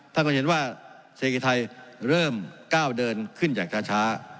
ท่านก็เห็นว่าเศรษฐกิจไทยเริ่มก้าวเดินขึ้นอย่างช้า